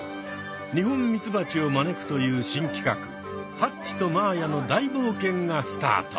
ニホンミツバチを招くという新企画「ハッチとまーやの大冒険」がスタート！